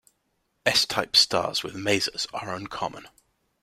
S-type stars with masers are uncommon.